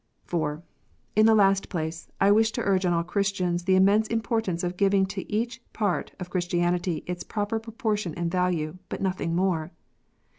(4) In the last place, I wish to urge on all Christians the immense importance of giving to each part of Christianity its proper proportion and value, but nothing more.